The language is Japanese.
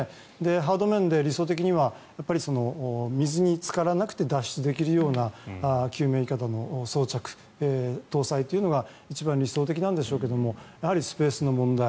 ハード面で理想的には水につからなくて脱出できるような救命いかだの搭載というのが一番理想的なんでしょうけどやはりスペースの問題。